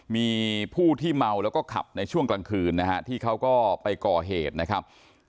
มีผู้ที่เมาแล้วก็ขับในช่วงกลางคืนนะฮะที่เขาก็ไปก่อเหตุนะครับ